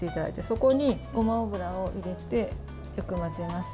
そこに、ごま油を入れてよく混ぜます。